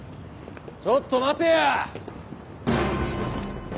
ちょっと待てや！